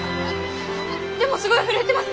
でもすごい震えてます。